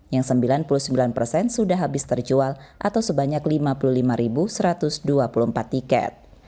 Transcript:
yang sembilan puluh sembilan persen sudah habis terjual atau sebanyak lima puluh lima satu ratus dua puluh empat tiket